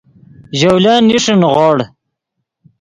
ژولن نیݰے نیغوڑ